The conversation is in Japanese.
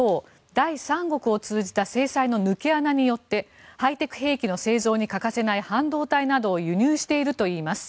第三国を通じた制裁の抜け穴によってハイテク兵器の製造に欠かせない半導体などを輸入しているといいます。